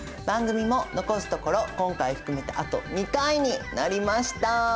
番組も残すところ今回含めてあと２回になりました！